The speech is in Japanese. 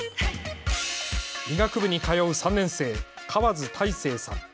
医学部に通う３年生、河津大誠さん。